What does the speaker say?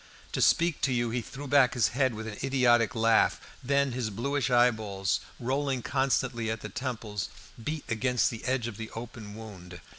To speak to you he threw back his head with an idiotic laugh; then his bluish eyeballs, rolling constantly, at the temples beat against the edge of the open wound.